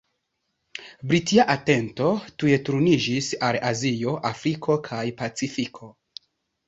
Britia atento tuj turniĝis al Azio, Afriko, kaj Pacifiko.